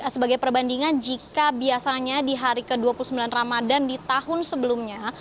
sebagai perbandingan jika biasanya di hari ke dua puluh sembilan ramadhan di tahun sebelumnya